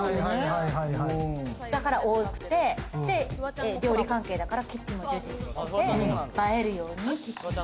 だから多くて、料理関係だからキッチンも充実してて、映えるように。